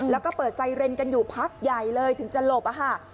แล้วก็เปิดไซเรนกันอยู่พักใหญ่เลยถึงจะหลบอะค่ะ